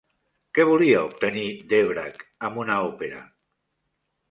Què volia obtenir Dvořák amb una òpera?